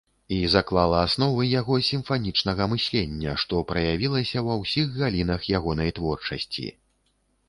І заклала асновы яго сімфанічнага мыслення, што праявілася ва ўсіх галінах ягонай творчасці.